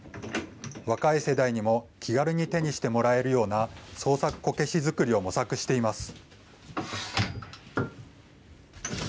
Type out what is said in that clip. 若い世代にも気軽に手にしてもらえるような創作こけし作りを模索しています。